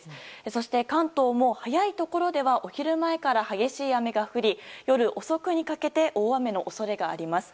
そして関東も早いところではお昼前から激しい雨が降り、夜遅くにかけて大雨の恐れがあります。